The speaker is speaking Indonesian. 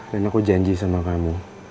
dan aku janji sama kamu